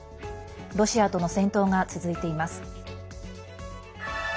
ロシアとの戦闘が続いています。